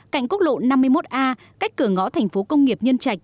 cạnh quốc lộ năm mươi một a cách cửa ngõ thành phố công nghiệp nhân trạch